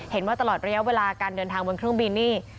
เห็นว่าตลอดระยะเวลาการเดินทางบนเครื่องบินนี่